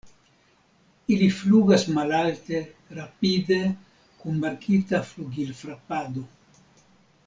Ili flugas malalte, rapide, kun markita flugilfrapado.